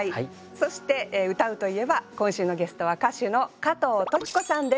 そして「うたう」といえば今週のゲストは歌手の加藤登紀子さんです。